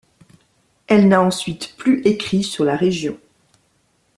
Elle n'a ensuite plus écrit sur la région.